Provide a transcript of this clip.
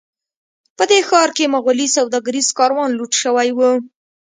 په دې ښار کې مغولي سوداګریز کاروان لوټ شوی و.